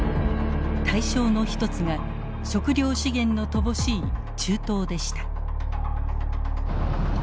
対象の一つが食料資源の乏しい中東でした。